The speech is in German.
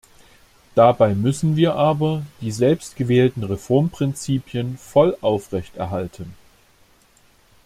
Dabei müssen wir aber die selbstgewählten Reformprinzipien voll aufrechterhalten.